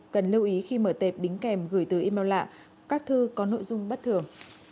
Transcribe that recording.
cần lưu ý khi mở tệp đính kèm gửi từ email lạ các thư có nội dung bất thường